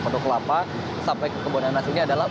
padoklapa sampai ke kebonanas ini adalah